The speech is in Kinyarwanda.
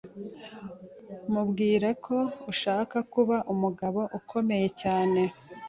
mubwira ko nshaka kuba umugabo ukomeye cyane